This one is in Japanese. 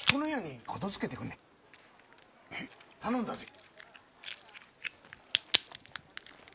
頼んだぜ。